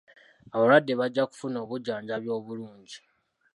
Abalwadde bajja kufuna obujjanjabi obulungi.